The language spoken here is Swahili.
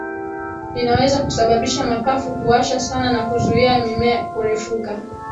Inaweza kusababisha mapafu kuwasha sana na kuzuia mimea kurefuka